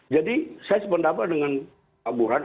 jadi saya sependapat dengan pak burhan